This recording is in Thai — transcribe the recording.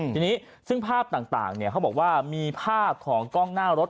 ทีนี้ซึ่งภาพต่างเขาบอกว่ามีภาพของกล้องหน้ารถ